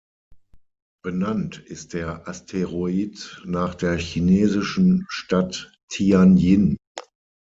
Benannt ist der Asteroid nach der chinesischen Stadt Tianjin.